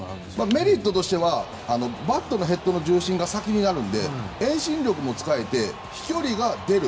メリットとしてはバットのヘッドの重心が先になるので遠心力も使えて飛距離が出る。